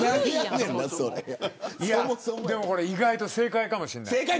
でも意外と正解かもしれない。